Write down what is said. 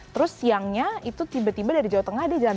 terus siangnya itu tiba tiba dari jawa tengah dia jalan